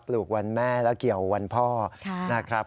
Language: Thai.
ลูกวันแม่แล้วเกี่ยววันพ่อนะครับ